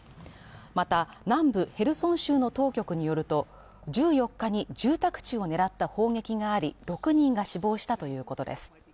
また、南部ヘルソン州の当局によると、１４日に住宅地を狙った砲撃があり、６人が死亡したということです。